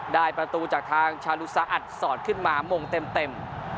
ได้ประตูจากทางชาลูซาอัดสอดขึ้นมามงเต็ม